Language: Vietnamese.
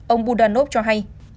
ông budanov cho hay